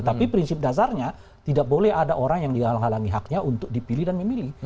tapi prinsip dasarnya tidak boleh ada orang yang dihalangi haknya untuk dipilih dan memilih